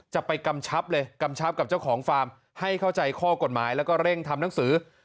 จะไปกำชับเลยกำชับกับเจ้าของฟาร์มให้เข้าใจข้อกฎหมายแล้วก็เร่งทำหนังสือ